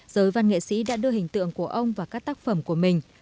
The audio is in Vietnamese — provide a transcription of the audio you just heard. giới văn nghệ sĩ đã đưa hình tượng của ông vào các tác phẩm của mình